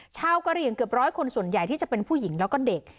ชาวกระเรียงเกือบร้อยคนส่วนใหญ่ที่จะเป็นผู้หญิงและเด็ก